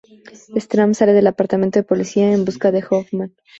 Strahm sale del apartamento de policía en busca de Hoffman.